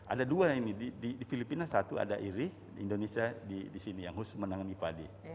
ada dua ini di filipina satu ada iri di indonesia di sini yang khusus menangani padi